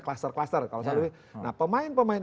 cluster cluster nah pemain pemain